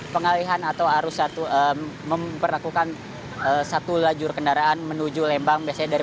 pengalihan atau arus satu memperlakukan satu lajur kendaraan menuju lembang biasanya dari